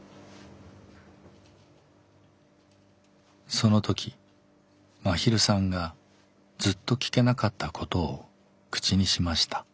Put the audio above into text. その時まひるさんがずっと聞けなかったことを口にしました。